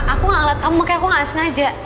aku gak ngelihat kamu makanya aku gak sengaja